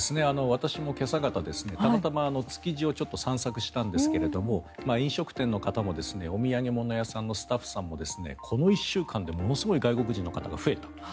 私も今朝方たまたま築地をちょっと散策したんですけども飲食店の方もお土産物屋さんのスタッフさんもこの１週間でものすごい外国人の方が増えたと。